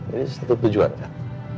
ini satu tujuan kan